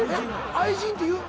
愛人って言う？